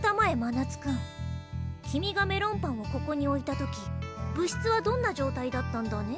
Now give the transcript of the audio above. なつくん君がメロンパンをここにおいた時部室はどんな状態だったんだね？